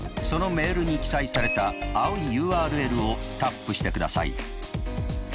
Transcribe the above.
そのメールに記載された青いＵＲＬをタップしてください。